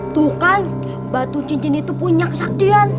tuh kan batu cincin itu punya kesaktian